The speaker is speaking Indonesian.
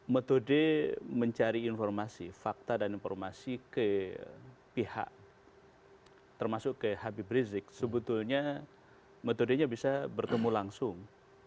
metode mencari informasi fakta dan informasi ke pihak termasuk ke habib rizik sebetulnya metodenya bisa bertemu langsung